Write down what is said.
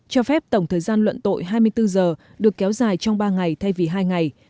cho phép tổng thời gian luận tội hai mươi bốn giờ được kéo dài trong ba ngày thay vì hai ngày